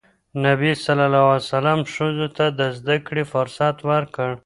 نبي ﷺ ښځو ته د زدهکړې فرصت ورکړ.